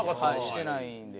してないんで。